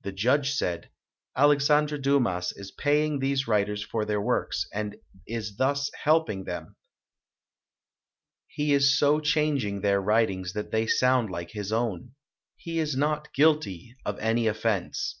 The judge said, "Alex andre Dumas is paying these writers for their works and is thus helping them. He is so chang ing their writings that they sound like his own. He is not guilty of any offense".